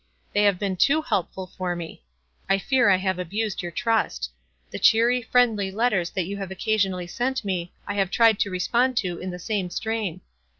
They have been too help* fill for me. I fear I have abused your trust. The cheery, friendly letters that you have oc casionally sent me I have tried to respond to in the same strain.